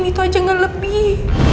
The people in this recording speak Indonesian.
itu aja gak lebih